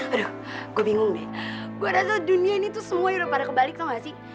aduh gue bingung nih gue rasa dunia ini tuh semuanya udah pada kebalik gak sih